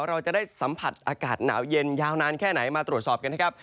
เราจะได้สัมผัสอากาศหนาวเย็นยาวนานแค่ไหนมาตรวจสอบกันนะครับ